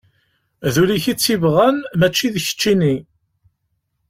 D ul-ik i tt-ibɣan mačči d keččini.